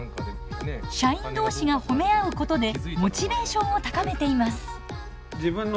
社員同士が褒め合うことでモチベーションを高めています。